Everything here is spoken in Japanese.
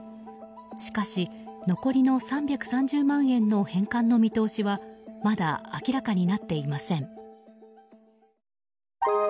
しかし、残りの３３０万円の返還の見通しはまだ明らかになっていません。